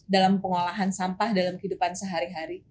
dalam pengolahan sampah dalam kehidupan sehari hari